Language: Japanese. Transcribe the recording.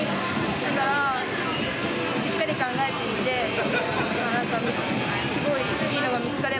だからしっかり考えてみて、でもなんか、すごいいいのが見